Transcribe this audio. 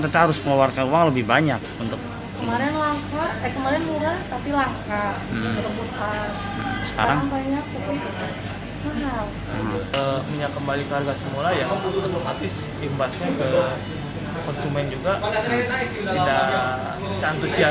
kita harus mengeluarkan uang lebih banyak untuk kemarin langka eh kemarin murah tapi langka